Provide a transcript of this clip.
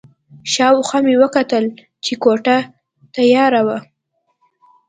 شا او خوا مې وکتل چې کوټه تیاره وه.